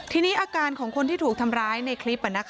ทีนี้อาการของคนที่ถูกทำร้ายในคลิป